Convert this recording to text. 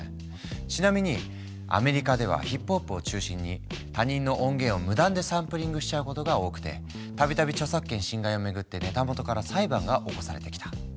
ちなみにアメリカではヒップホップを中心に他人の音源を無断でサンプリングしちゃうことが多くて度々著作権侵害を巡ってネタ元から裁判が起こされてきた。